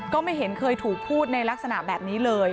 ก็ไม่เห็นเคยถูกพูดในลักษณะแบบนี้เลย